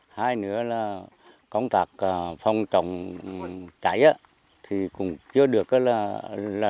hai nữa là công tác phòng chống cháy thì cũng chưa được phổ biến rộng rãi